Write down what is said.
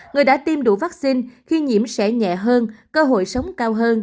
người đã tiêm đủ vaccine khi nhiễm sẽ nhẹ hơn cơ hội sống cao hơn